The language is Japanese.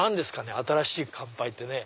新しい乾杯ってね。